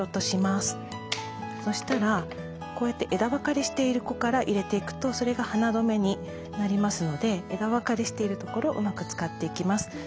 そしたらこうやって枝分かれしている子から入れていくとそれが花留めになりますので枝分かれしているところうまく使っていきます。